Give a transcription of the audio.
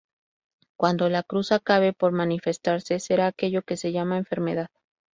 Cuando la "cruz" acabe por manifestarse, será aquello que se llama "enfermedad".